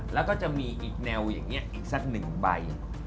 แล้วก็จะมีอีกแนวอย่างนี้อีกสักหนึ่งใบ